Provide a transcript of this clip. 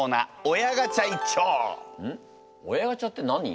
親ガチャって何？